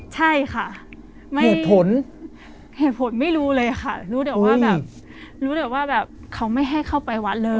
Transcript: ใช่ค่ะ